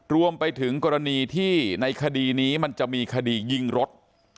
รวมไปถึงกรณีที่ในคดีนี้มันจะมีคดียิงรถ